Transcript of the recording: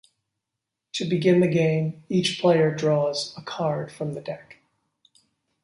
To begin the game, each player draws a card from the deck.